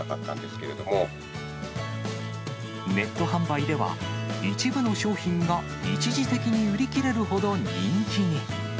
けれネット販売では、一部の商品が一時的に売り切れるほど人気に。